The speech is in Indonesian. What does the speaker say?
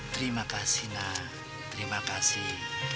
terima kasih nak terima kasih